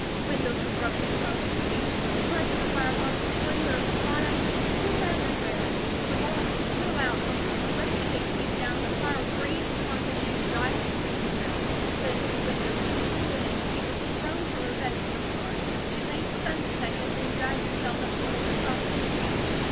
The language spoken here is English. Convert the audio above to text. Windows were broken across the street. Parts of the fire box, boiler, and fire flew everywhere. The walls blew out, the roof lifted and came down, the fire raged among the new, dry timbers of the mill. When her windows blew in, Kate was thrown from her bed to the floor. She lay stunned a second, then dragged herself up to look across the street.